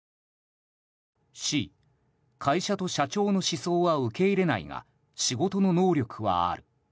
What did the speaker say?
Ｃ、会社と社長の思想は受け入れないが仕事の能力はある。